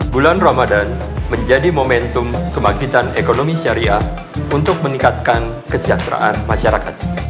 bulan ramadan menjadi momentum kebangkitan ekonomi syariah untuk meningkatkan kesejahteraan masyarakat